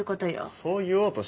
そう言おうとしたよ。